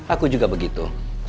aku juga begitu